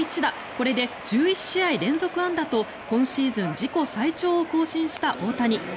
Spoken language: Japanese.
これで１１試合連続安打と今シーズン自己最長を更新した大谷。